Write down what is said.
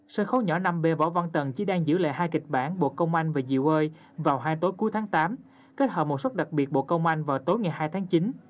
sân khấu nhỏ năm b võ văn tần chỉ đang giữ lệ hai kịch bản bộ công anh và diệu ơi vào hai tối cuối tháng tám kết hợp một xuất đặc biệt bộ công an vào tối ngày hai tháng chín